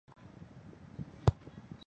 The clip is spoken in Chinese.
己醛糖是分子中有醛基的己糖。